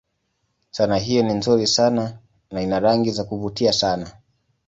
Sanaa hiyo ni nzuri sana na ina rangi za kuvutia sana.